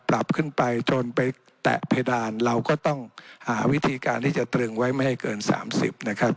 ปรับขึ้นไปจนไปแตะเพดานเราก็ต้องหาวิธีการที่จะตรึงไว้ไม่ให้เกิน๓๐นะครับ